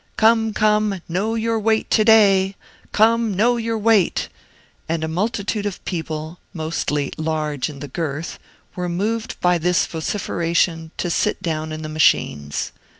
Come, come, know your weight to day! Come, know your weight!" and a multitude of people, mostly large in the girth, were moved by this vociferation to sit down in the machines.